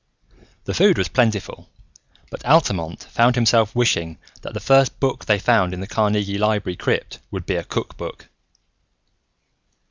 The food was plentiful, but Altamont found himself wishing that the first book they found in the Carnegie Library crypt would be a cook book.